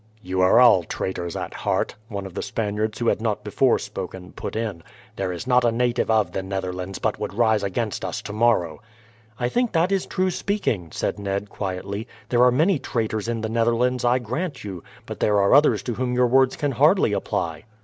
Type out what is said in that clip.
"You are all traitors at heart," one of the Spaniards who had not before spoken, put in. "There is not a native of the Netherlands but would rise against us tomorrow." "I think that is true speaking," said Ned quietly. "There are many traitors in the Netherlands I grant you, but there are others to whom your words can hardly apply."